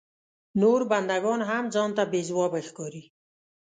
نور بنده ګان هم ځان ته بې ځوابه ښکاري.